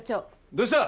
どうした？